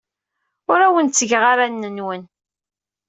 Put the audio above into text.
Ur awen-ttgeɣ aɣanen-nwen.